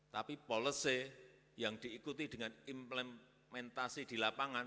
tapi policy yang diikuti dengan implementasi di lapangan